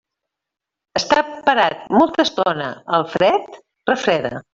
Estar parat molta estona al fred, refreda.